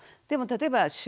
でも例えばへえ！